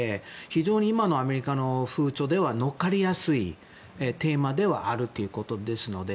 非常に今のアメリカの風潮に乗っかりやすいテーマではあるということですので。